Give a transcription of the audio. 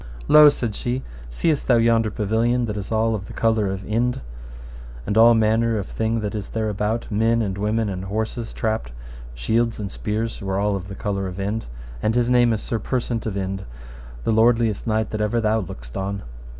Lo, said she, seest thou yonder pavilion that is all of the colour of Inde, and all manner of thing that there is about, men and women, and horses trapped, shields and spears were all of the colour of Inde, and his name is Sir Persant of Inde, the most lordliest knight that ever thou lookedst on.